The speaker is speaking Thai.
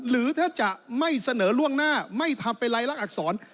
หรือถ้าจะไม่เสนอล่วงหน้าไม่ทำเป็นรายลักษร